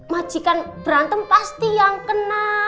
majikan berantem pasti yang kena